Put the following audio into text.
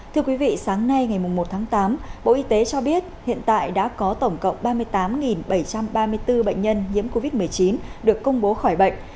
thưa quý vị sáng nay ngày một tháng tám bộ y tế cho biết hiện tại đã có tổng cộng ba mươi tám bảy trăm ba mươi bốn bệnh nhân nhiễm covid một mươi chín được công bố khỏi bệnh